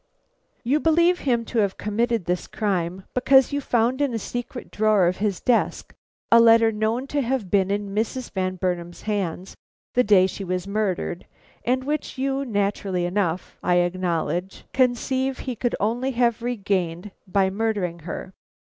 You believe him to have committed this crime because you found in a secret drawer of his desk a letter known to have been in Mrs. Van Burnam's hands the day she was murdered, and which you, naturally enough, I acknowledge, conceive he could only have regained by murdering her.